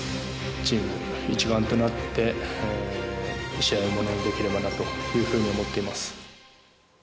チーム一丸となって試合をものにできればなというふうに思っています。